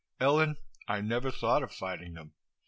"Ellen, I never thought of fighting them.